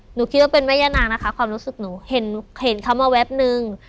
หนูคิดว่าเป็นแม่ย่านางนะคะความรู้สึกหนูเห็นเขามาแวบนึง